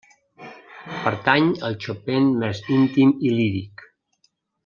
Pertany al Chopin més íntim i líric.